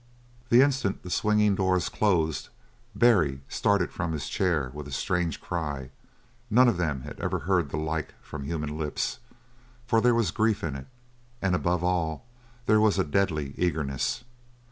The instant the swinging doors closed Barry started from his chair with a strange cry none of them had ever heard the like from human lips for there was grief in it, and above all there was a deadly eagerness.